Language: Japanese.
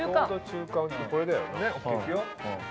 これだよねＯＫいくよ。